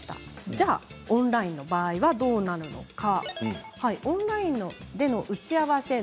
じゃあオンラインの場合はどうなのか。